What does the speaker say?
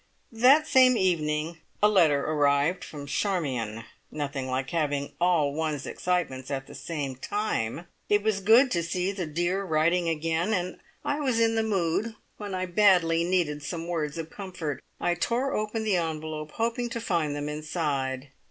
That same evening a letter arrived from Charmion. Nothing like having all one's excitements at the same time. It was good to see the dear writing again, and I was in the mood when I badly needed some words of comfort. I tore open the envelope, hoping to find them inside.